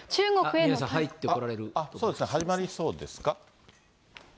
宮根さん、そうですか、始まりそうですか。